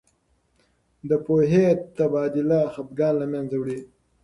د پوهې تبادله خفګان له منځه وړي.